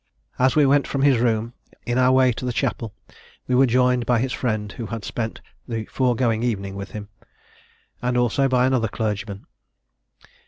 "As we went from his room, in our way to the chapel, we were joined by his friend, who had spent the foregoing evening with him, and also by another clergyman.